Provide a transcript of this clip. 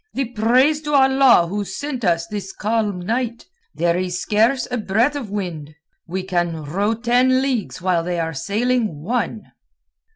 "The praise to Allah who sent us this calm night. There is scarce a breath of wind. We can row ten leagues while they are sailing one."